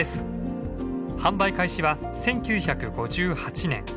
販売開始は１９５８年。